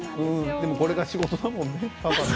でも、これが仕事だもんね。